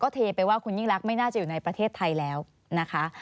เทไปว่าคุณยิ่งรักไม่น่าจะอยู่ในประเทศไทยแล้วนะคะ